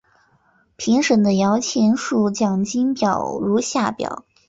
评审的摇钱树奖金表如下表。